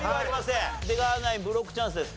出川ナインブロックチャンスです。